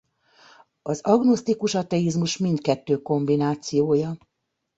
Az agnosztikus ateizmus mindkettő kombinációja.